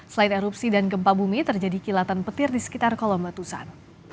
selain erupsi dan gempa bumi terjadi kilatan petir di sekitar kolam letusan